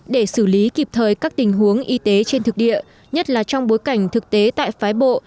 để xử lý kịp thời các tình huống y tế trên thực địa nhất là trong bối cảnh thực tế tại phái bộ